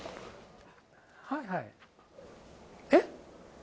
はいはい、え？